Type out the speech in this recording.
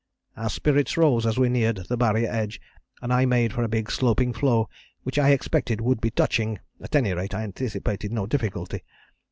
Our spirits rose as we neared the Barrier edge, and I made for a big sloping floe which I expected would be touching; at any rate I anticipated no difficulty.